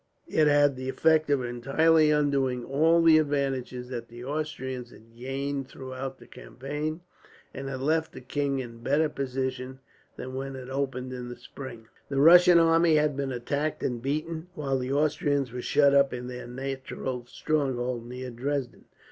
It had the effect of entirely undoing all the advantages that the Austrians had gained, throughout the campaign; and left the king in a better position than when it opened in the spring. The Russian army had been attacked and beaten, while the Austrians were shut up in their natural stronghold, near Dresden.